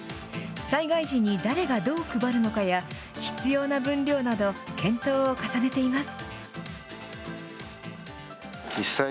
災害時に、誰がどう配るのかや、必要な分量など、検討を重ねています。